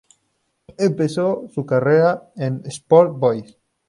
Empezó su carrera en Sport Boys.